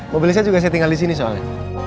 mobil saya juga saya tinggal di sini soalnya